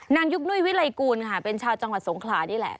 ยุคนุ้ยวิลัยกูลค่ะเป็นชาวจังหวัดสงขลานี่แหละ